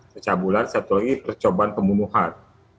secah bulan satu lagi percobaan pembunuhan